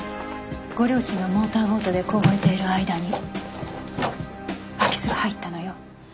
ご両親がモーターボートで凍えている間に空き巣が入ったのよ。